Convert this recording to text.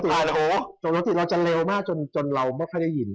ปกติเราจะเร็วมากจนเราไม่ค่อยได้ยิน